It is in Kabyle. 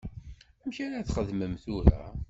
Amek ara txedmem tura?